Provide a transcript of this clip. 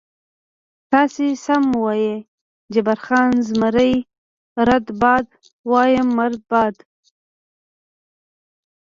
تاسې سمه وایئ، جبار خان: زمري مرده باد، وایم مرده باد.